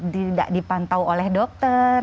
tidak dipantau oleh dokter